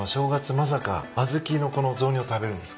まさかアズキのこの雑煮を食べるんですか？